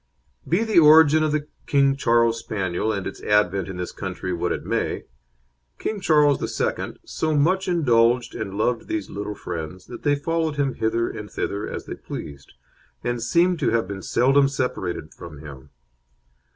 Be the origin of the King Charles Spaniel, and its advent in this country, what it may, King Charles II. so much indulged and loved these little friends that they followed him hither and thither as they pleased, and seem to have been seldom separated from him.